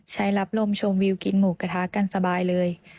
รับลมชมวิวกินหมูกระทะกันสบายเลย